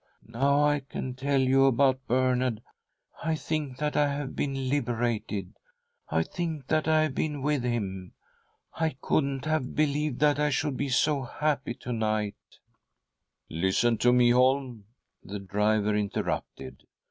" Now I can tell you about Bernard. I think that I have been liberated— I think that I have been with him. I couldn't have believed that I should be so happy to night "• "Listen to me, Holm," the driver interrupted.